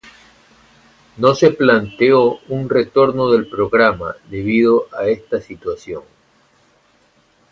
No se planteó un retorno del programa, debido a esta situación.